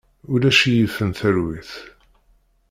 Ulac i yifen talwit.